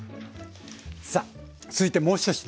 さあ続いてもう１品。